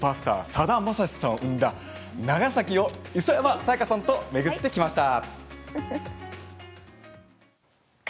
さだまさしさんを生んだ長崎を磯山さやかさんと一緒に巡ってきました。